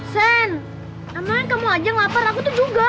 sen namanya kamu ajang lapar aku itu juga